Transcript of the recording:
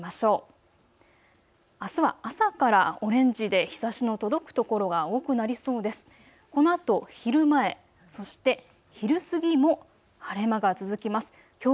では天気の予想を見ていきましょう。